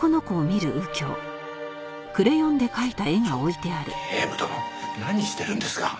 ちょっと警部殿何してるんですか？